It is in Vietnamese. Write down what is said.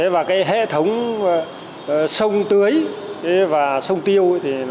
và cái hệ thống sông tưới và sông tiêu